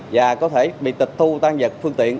và có thể bị tịch thu tan vật phương tiện